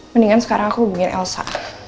mendingan sekarang aku bikin elsa